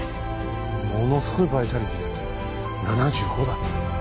ものすごいバイタリティーだね７５だって。